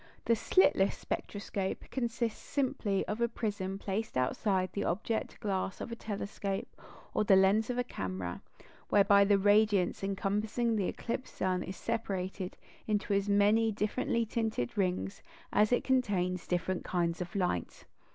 The "slitless spectroscope" consists simply of a prism placed outside the object glass of a telescope or the lens of a camera, whereby the radiance encompassing the eclipsed sun is separated into as many differently tinted rings as it contains different kinds of light.